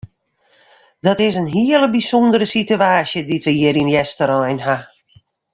Dat is in hele bysûndere situaasje dy't we hjir yn Easterein ha.